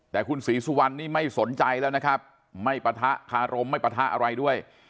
แต่คุณศรีสุวรรณนี่ไม่สนใจแล้วนะครับไม่ปะทะคารมไม่ปะทะอะไรด้วย